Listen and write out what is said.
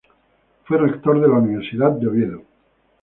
Fue rector de la Universidad de Oviedo.